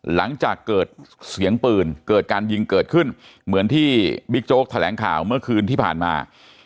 หลังจากเกิดเสียงปืนเกิดการยิงเกิดขึ้นเหมือนที่บิ๊กโจ๊กแถลงข่าวเมื่อคืนที่ผ่านมา